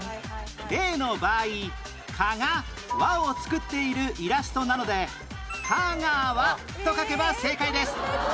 例の場合蚊が輪を作っているイラストなので香川と書けば正解です